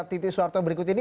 titi soeharto berikut ini